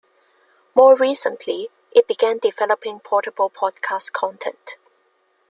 More recently, it began developing portable podcast content.